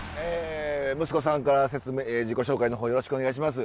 息子さんから自己紹介のほうよろしくお願いします。